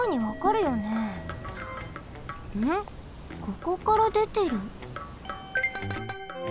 ここからでてる？